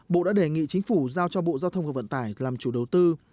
bộ đã đề nghị chính phủ giao cho bộ giao thông và vận tải làm chủ đầu tư